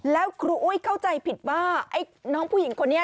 แล้วครูอุ้ยเข้าใจผิดว่าไอ้น้องผู้หญิงคนนี้